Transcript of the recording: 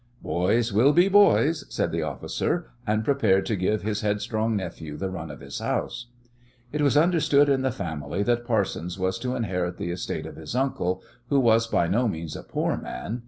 "Boys will be boys," said the officer, and prepared to give his headstrong nephew the run of his house. It was understood in the family that Parsons was to inherit the estate of his uncle, who was by no means a poor man.